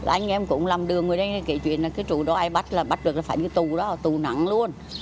anh em cũng làm đường ở đây kể chuyện là cái trụ đó ai bắt là bắt được là phải cái tù đó là tù nặng luôn